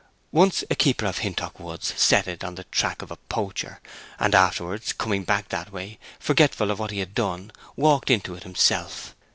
Once a keeper of Hintock woods set it on the track of a poacher, and afterwards, coming back that way, forgetful of what he had done, walked into it himself.